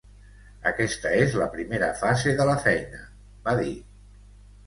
"Aquesta és la primera fase de la feina", va dir.